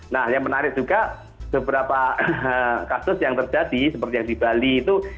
nah yang menarik juga beberapa kasus yang terjadi seperti yang di bali itu